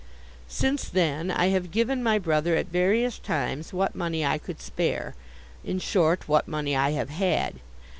'Since then, I have given my brother, at various times, what money I could spare: in short, what money I have had.